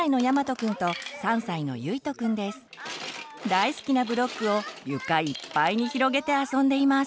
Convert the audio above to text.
大好きなブロックを床いっぱいに広げて遊んでいます。